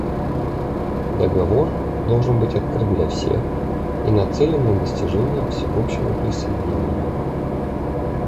Договор должен быть открыт для всех и нацелен на достижение всеобщего присоединения.